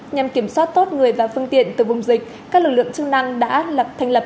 nhằm kiểm soát tốt người và phương tiện từ vùng dịch các lực lượng chức năng đã lập thành lập